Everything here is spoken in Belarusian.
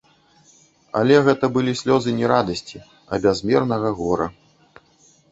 Але гэта былі слёзы не радасці, а бязмернага гора.